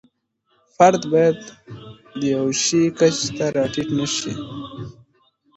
فرد باید د یوه شي کچې ته را ټیټ نشي.